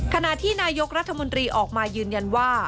ขณะที่นายกรัฐมนตรีออกมายืนยันว่า